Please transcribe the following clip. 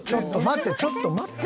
ちょっと待って。